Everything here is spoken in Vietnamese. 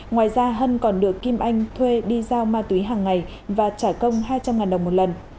ngoài ra hân còn được kim anh thuê đi giao ma túy hàng ngày và trả công hai trăm linh đồng một lần